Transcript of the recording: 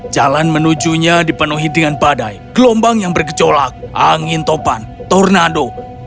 jalan menujunya dipenuhi dengan badai gelombang yang bergejolak angin topan tornado